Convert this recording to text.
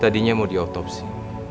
tadinya mau diotopsi